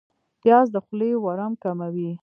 پیاز د خولې ورم کموي